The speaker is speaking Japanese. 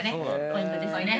ポイントですね。